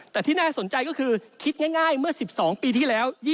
แต่ที่น่าสนใจก็คือคิดง่ายเมื่อ๑๒ปีที่แล้ว